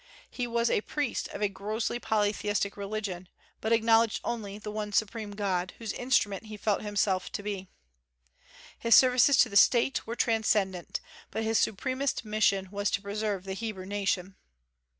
He was a priest of a grossly polytheistic religion, but acknowledged only the One Supreme God, whose instrument he felt himself to be. His services to the state were transcendent, but his supremest mission was to preserve the Hebrew nation.